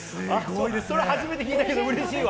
それは初めて聞いたけど、うれしいわ。